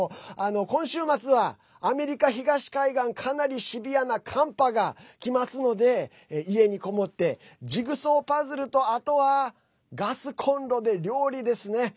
今週末は、アメリカ東海岸かなりシビアな寒波がきますので家に籠もってジグソーパズルとあとは、ガスコンロで料理ですね。